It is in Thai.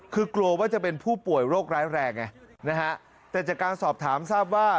คือกลัวว่าจะเป็นผู้ป่วยโรคร้ายแรงไงนะฮะแต่จากการสอบถามทราบว่า